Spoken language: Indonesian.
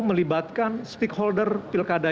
melibatkan stakeholder pilkada